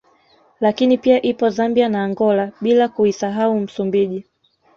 Lakini pia ipo Zambia na Angola bila kuisahau Msumbiji